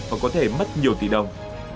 và có thể mất nhiều tỷ đồng